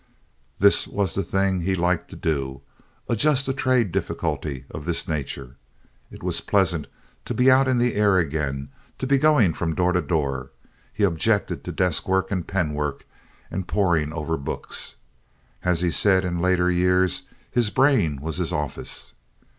This was the thing he liked to do—adjust a trade difficulty of this nature. It was pleasant to be out in the air again, to be going from door to door. He objected to desk work and pen work and poring over books. As he said in later years, his brain was his office.